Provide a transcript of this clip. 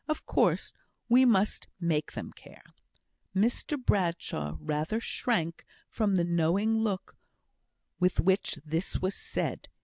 "Of course, we must make them care." Mr Bradshaw rather shrunk from the knowing look with which this was said.